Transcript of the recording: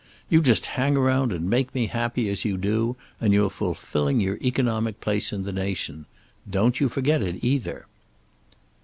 You just hang around and make me happy, as you do, and you're fulfilling your economic place in the nation. Don't you forget it, either."